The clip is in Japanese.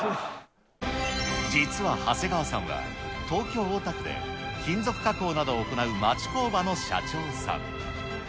実は長谷川さんは、東京・大田区で金属加工などを行う町工場の社長さん。